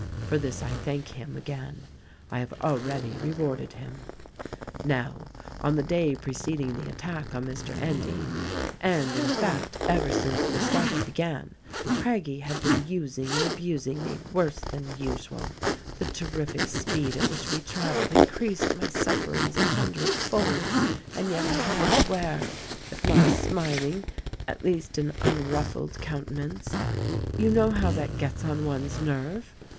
For this I thank him again : I have already rewarded him. "Now, on the day preceding the attack on Mr. Endy, and in fact ever since the strike began, Craggie had been using and abusing me worse than usual ; the terrific speed at which we traveled increased my sufferings a hundred fold — and yet I had to wear, — if not a smiling, at least, — an unruffled countenance. You know 7 how that gets on one's nerve.